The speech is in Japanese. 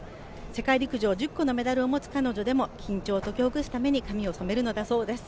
世界陸上１０個のメダルを持つ彼女でも緊張を解きほぐすために髪を染めるのだそうです。